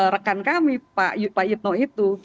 rekan kami pak itno itu